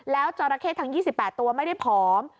แล้วจราเข้ทั้ง๒๘ตัวไม่ได้ผอม